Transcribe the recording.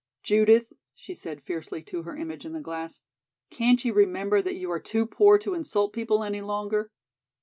"Judith," she said fiercely to her image in the glass, "can't you remember that you are too poor to insult people any longer?"